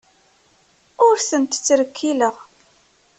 Ur ten-ttrekkileɣ.